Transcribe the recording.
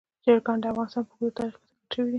چرګان د افغانستان په اوږده تاریخ کې ذکر شوي دي.